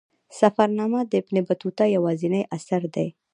سفرنامه د ابن بطوطه یوازینی اثر دی.